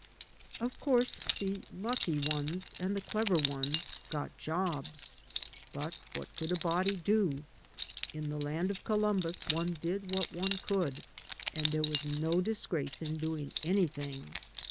Of course the lucky ones and the clever ones got jobs. But what could a body do? In the land of Columbus one did what one could, and there was no disgrace in doing anything.